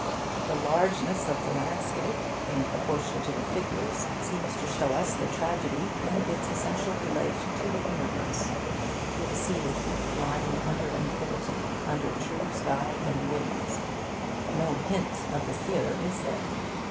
The largeness of the landscape in proportion to the figures seems to show us the tragedy in its essential relation to the universe. We see the heath lying under infinity, under true sky and winds. No hint of the theatre is there.